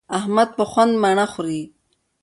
احمد په خوند مڼه خوري.